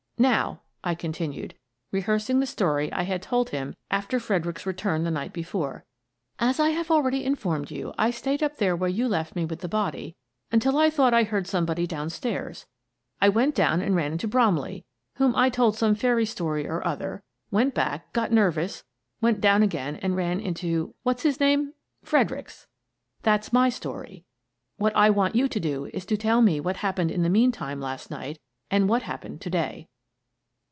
Now," I continued, rehearsing the story I had told him after Freder icks's return the night before, " as I have already in formed you, I stayed up there where you left me with the body until I thought I heard somebody down stairs. I went down and ran into Bromley, whom I told some fairy story or other; went back, got nervous, went down again and ran into — what's his name? — Fredericks. That's my story. What I want you to do is to tell me what happened in the meantime last night and what happened to day."